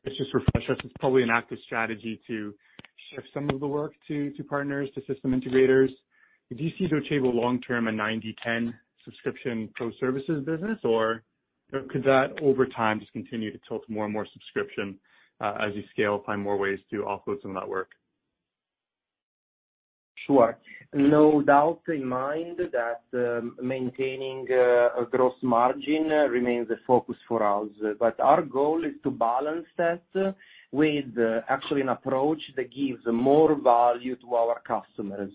It's just refresh us. It's probably an active strategy to shift some of the work to partners, to system integrators. Do you see Docebo long term a 90/10 subscription pro services business or could that over time just continue to tilt more and more subscription as you scale, find more ways to offload some of that work? Sure. No doubt in mind that maintaining a gross margin remains the focus for us. Our goal is to balance that with actually an approach that gives more value to our customers.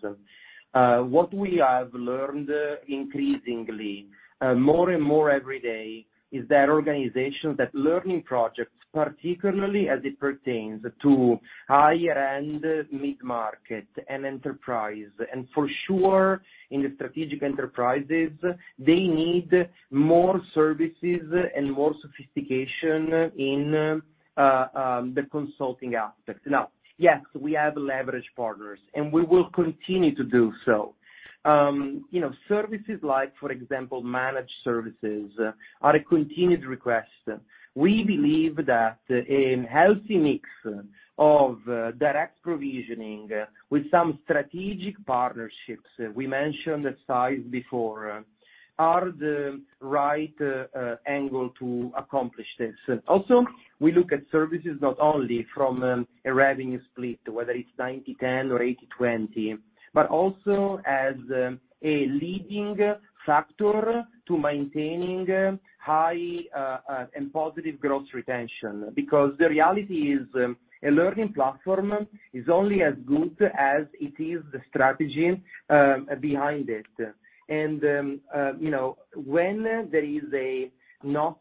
What we have learned increasingly more and more every day, is that organizations that learning projects, particularly as it pertains to higher end mid-market and enterprise, and for sure in the strategic enterprises, they need more services and more sophistication in the consulting aspects. Yes, we have leverage partners, and we will continue to do so. You know, services like for example, managed services, are a continued request. We believe that a healthy mix of direct provisioning with some strategic partnerships, we mentioned the size before, are the right angle to accomplish this. Also, we look at services not only from a revenue split, whether it's 90/10 or 80/20, but also as a leading factor to maintaining high and positive gross retention. Because the reality is, a learning platform is only as good as it is the strategy behind it. You know, when there is a not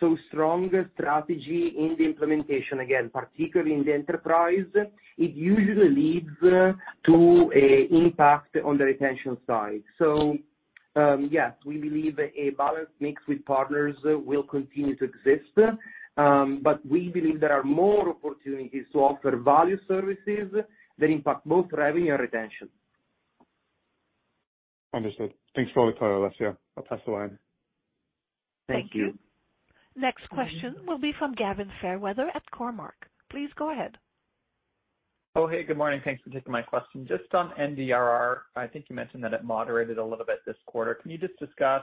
so strong strategy in the implementation, again, particularly in the enterprise, it usually leads to a impact on the retention side. Yes, we believe a balanced mix with partners will continue to exist. We believe there are more opportunities to offer value services that impact both revenue and retention. Understood. Thanks for your time, Alessio. I'll pass the line. Thank you. Next question will be from Gavin Fairweather at Cormark. Please go ahead. Oh, hey, good morning. Thanks for taking my question. Just on NDRR, I think you mentioned that it moderated a little bit this quarter. Can you just discuss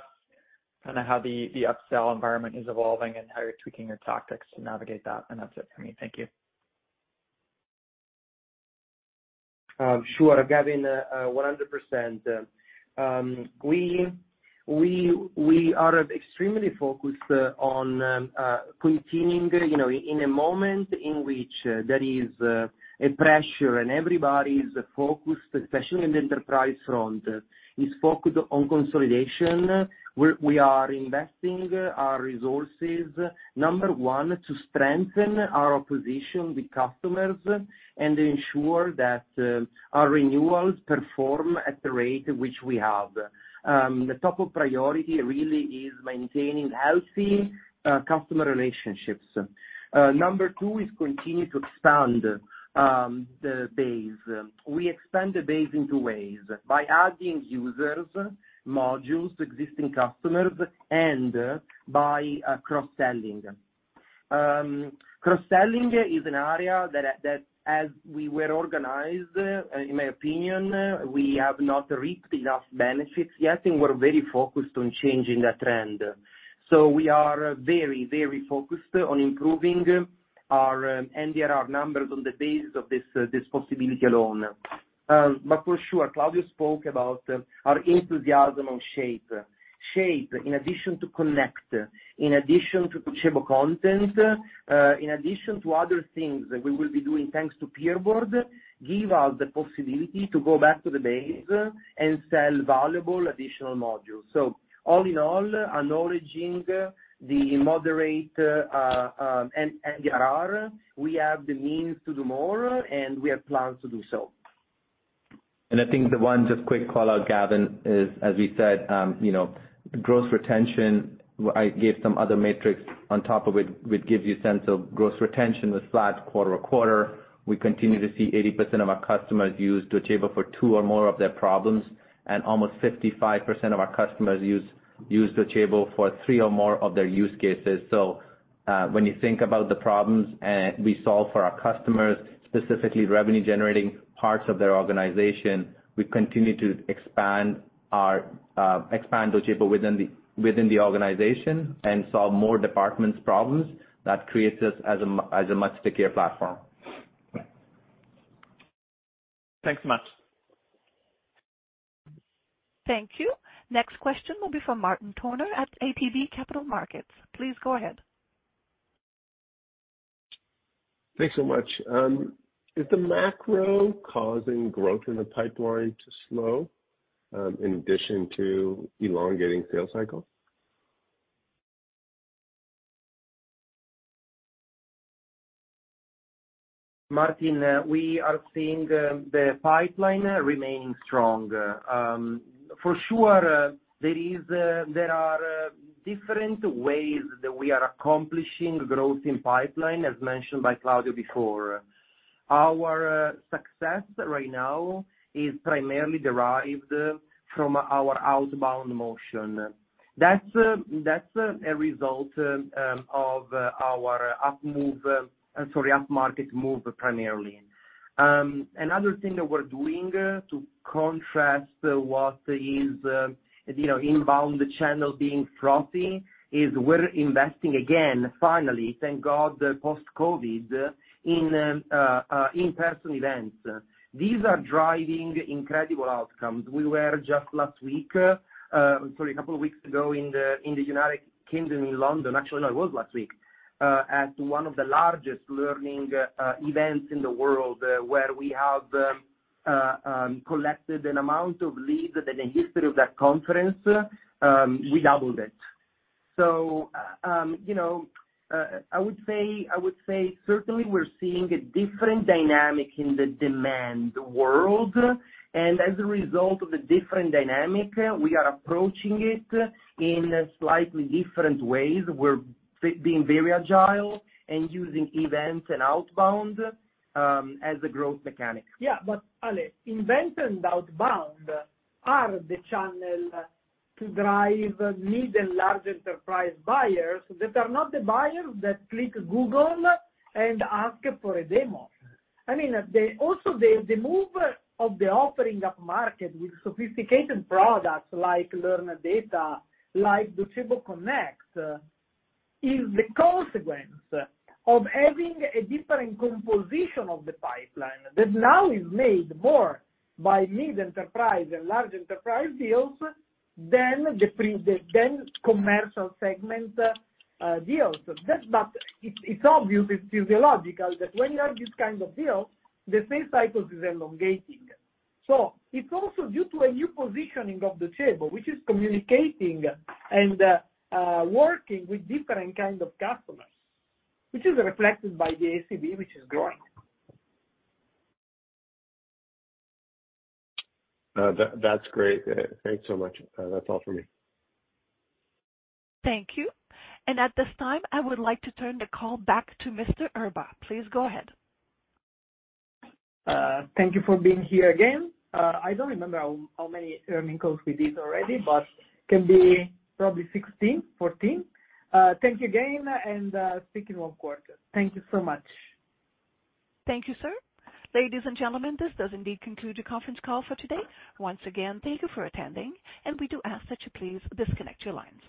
kind of how the upsell environment is evolving and how you're tweaking your tactics to navigate that? That's it for me. Thank you. Sure, Gavin, 100%. We are extremely focused on continuing, you know, in a moment in which there is a pressure and everybody is focused, especially in the enterprise front, is focused on consolidation. We are investing our resources, number one, to strengthen our position with customers and ensure that our renewals perform at the rate which we have. The top priority really is maintaining healthy customer relationships. Number two is continue to expand the base. We expand the base in two ways: by adding users, modules to existing customers and by cross-selling. Cross-selling is an area that as we were organized, in my opinion, we have not reaped enough benefits yet, and we're very focused on changing that trend. We are very, very focused on improving our NDRR numbers on the base of this possibility alone. For sure, Claudio spoke about our enthusiasm on Shape. Shape in addition to Connect, in addition to Docebo Content, in addition to other things that we will be doing thanks to PeerBoard, give us the possibility to go back to the base and sell valuable additional modules. All in all, acknowledging the moderate NDRR, we have the means to do more, and we have plans to do so. I think the one just quick call out, Gavin, is, as we said, you know, gross retention, I gave some other metrics on top of it, which gives you a sense of gross retention was flat quarter-over-quarter. We continue to see 80% of our customers use Docebo for two or more of their problems, and almost 55% of our customers use Docebo for three or more of their use cases. When you think about the problems we solve for our customers, specifically revenue generating parts of their organization, we continue to expand our expand Docebo within the organization and solve more departments' problems that creates us as a much stickier platform. Thanks so much. Thank you. Next question will be from Martin Toner at ATB Capital Markets. Please go ahead. Thanks so much. Is the macro causing growth in the pipeline to slow, in addition to elongating sales cycle? Martin, we are seeing the pipeline remain strong. For sure, there are different ways that we are accomplishing growth in pipeline, as mentioned by Claudio before. Our success right now is primarily derived from our outbound motion. That's a result of our up market move primarily. Another thing that we're doing to contrast what is, you know, inbound channel being frothy is we're investing again, finally, thank God, post-COVID, in in-person events. These are driving incredible outcomes. We were just a couple of weeks ago in the United Kingdom, in London. No it was last week. At one of the largest learning events in the world, where we have collected an amount of leads that in the history of that conference, we doubled it. you know, I would say certainly we're seeing a different dynamic in the demand world. As a result of the different dynamic, we are approaching it in slightly different ways. We're being very agile and using events and outbound as a growth mechanic. Yeah, Ale, events and outbound are the channel to drive mid and large enterprise buyers that are not the buyers that click Google and ask for a demo. I mean, also the move of the offering upmarket with sophisticated products like Learn Data, like Docebo Connect, is the consequence of having a different composition of the pipeline that now is made more by mid-enterprise and large enterprise deals than commercial segment deals. It's obvious, it's physiological that when you have this kind of deals, the sales cycles is elongating. It's also due to a new positioning of Docebo, which is communicating and working with different kind of customers, which is reflected by the ACV, which is growing. That's great. Thanks so much. That's all for me. Thank you. At this time, I would like to turn the call back to Mr. Erba. Please go ahead. Thank you for being here again. I don't remember how many earnings calls we did already, but can be probably 16, 14. Thank you again and speak in 1 quarter. Thank you so much. Thank you, sir. Ladies and gentlemen, this does indeed conclude the conference call for today. Once again, thank you for attending, and we do ask that you please disconnect your lines.